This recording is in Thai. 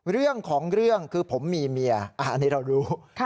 เรื่องของเรื่องคือผมมีเมียอันนี้เรารู้